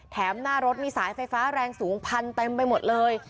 หน้ารถมีสายไฟฟ้าแรงสูงพันเต็มไปหมดเลย